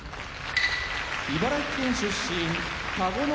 茨城県出身田子ノ